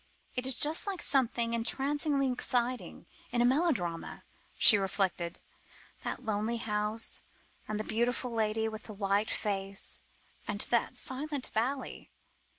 "It is just like something entrancingly exciting in a melodrama," she reflected: "that lonely house, and the beautiful lady with the white face, and that silent valley."